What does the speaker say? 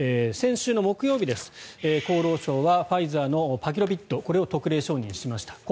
先週の木曜日です、厚労省はファイザーのパキロビッドこれを特例承認しました。